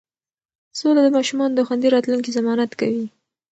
سوله د ماشومانو د خوندي راتلونکي ضمانت کوي.